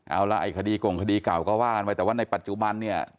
เอาล่ะไอ้คดีกงคดีเก่าก็ว่ากันไปแต่ว่าในปัจจุบันเนี่ย